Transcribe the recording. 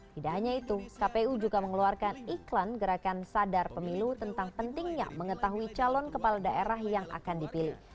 tidak hanya itu kpu juga mengeluarkan iklan gerakan sadar pemilu tentang pentingnya mengetahui calon kepala daerah yang akan dipilih